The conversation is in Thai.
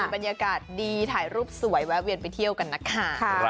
บรรยากาศดีถ่ายรูปสวยแวะเวียนไปเที่ยวกันนะคะ